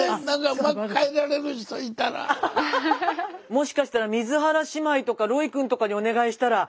もしかしたら水原姉妹とかロイくんとかにお願いしたら。